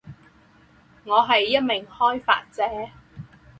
我是一名开发者